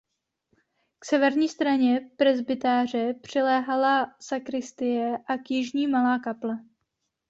K severní straně presbytáře přiléhala sakristie a k jižní malá kaple.